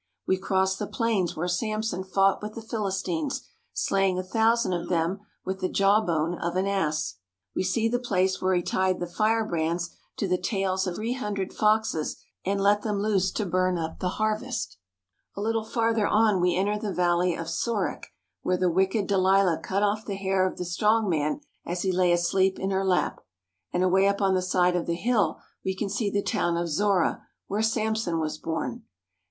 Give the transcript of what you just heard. We cross the plains where Samson fought with the Philistines, slaying a thousand of them with the jawbone of an ass. We see the place where he tied the firebrands to the tails of three hundred foxes and let them loose to burn up the harvest. A little far 26 BY RAILWAY TO THE LAND OF JUDEA ther on we enter the valley of Sorek, where the wicked Delilah cut off the hair of the strong man as he lay asleep in her lap, and away up on the side of the hill we can see the town of Zorah, where Samson was born.